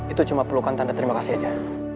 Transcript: itu cuma pelukan tanda terima kasih aja